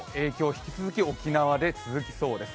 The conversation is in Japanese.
引き続き沖縄で続きそうです。